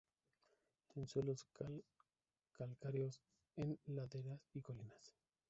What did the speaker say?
En suelos calcáreos, en laderas y colinas.